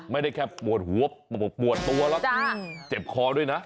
ไม่ได้แค่ปวดหัวปวดตัวแล้วเจ็บคอด้วยนะ